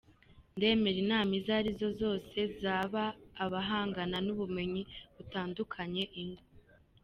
Ndemera inama izo arizo zose zaba abahanga n’ubumenyi butandukanye, ingo.